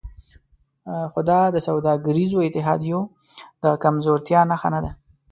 خو دا د سوداګریزو اتحادیو د کمزورتیا نښه نه ده